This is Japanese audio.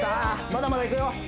まだまだいくよ